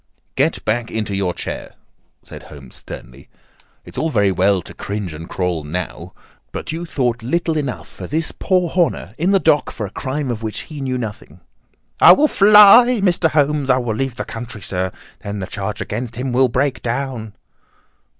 "Get back into your chair!" said Holmes sternly. "It is very well to cringe and crawl now, but you thought little enough of this poor Horner in the dock for a crime of which he knew nothing." "I will fly, Mr. Holmes. I will leave the country, sir. Then the charge against him will break down."